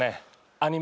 アニメ